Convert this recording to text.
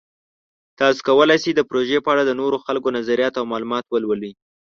تاسو کولی شئ د پروژې په اړه د نورو خلکو نظریات او معلومات ولولئ.